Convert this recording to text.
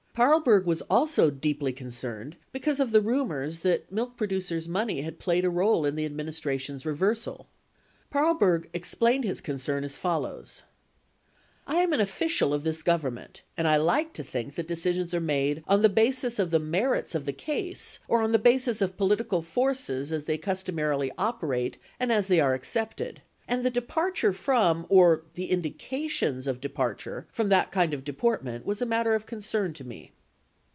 Paarlberg was also deeply concerned because of the rumors that milk producers' money had played a role in the administration's reversal. 21 Paarlberg explained his concern as follows : I am an official of this Government, and I like to think that decisions are made on the basis of the merits of the case or on the basis of political forces as they customarily operate and as they are accepted, and the departure from or the indica tions of departure from that kind of deportment was a matter of concern to me.